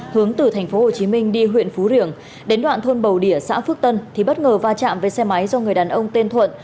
hướng từ tp hcm đi huyện phú riềng đến đoạn thôn bầu đỉa xã phước tân thì bất ngờ va chạm với xe máy do người đàn ông tên thuận